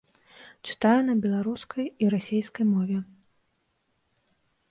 Чытаю на беларускай і расейскай мове.